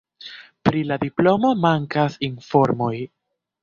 Pri la diplomo mankas informoj.